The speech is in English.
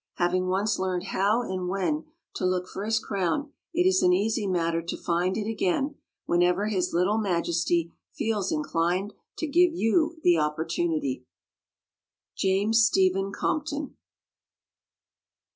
Having once learned how and when to look for his crown it is an easy matter to find it again whenever his little majesty feels inclined to give you the opportunity. James Stephen Compton.